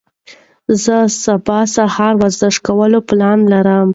زه سبا سهار ورزش کولو پلان لرم.